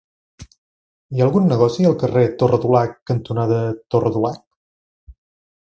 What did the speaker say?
Hi ha algun negoci al carrer Torre Dulac cantonada Torre Dulac?